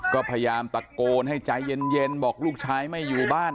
ก็พยายามตะโกนให้ใจเย็นบอกลูกชายไม่อยู่บ้าน